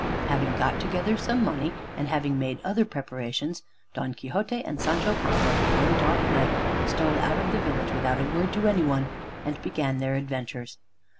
Having got together some money, and having made other preparations, Don Quixote and Sancho Panza one dark night stole out of the village without a word to any one, and began their adventures.